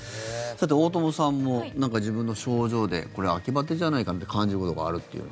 さて、大友さんもなんか自分の症状でこれ、秋バテじゃないかなって感じることがあるっていう。